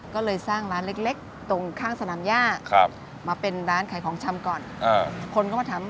ก็เลยสร้างร้านเล็กตรงข้างสนามย่ามาเป็นร้านขายของชำก่อนคนก็มาถาม